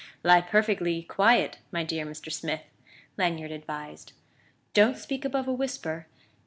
"Lie perfectly quiet, my dear Mr. Smith," Lanyard advised; "don't speak above a whisper!